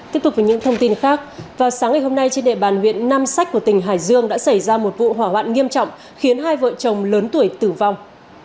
tiếp tục với những thông tin khác vào sáng ngày hôm nay trên địa bàn huyện nam sách của tỉnh hải dương đã xảy ra một vụ hỏa hoạn nghiêm trọng khiến hai vợ chồng lớn tuổi tử vong